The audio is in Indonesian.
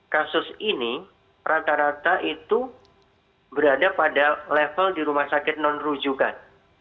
kasus ini rata rata itu berada pada level di rumah sakit non rujukan